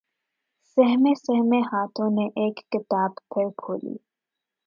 سہمے سہمے ہاتھوں نے اک کتاب پھر کھولی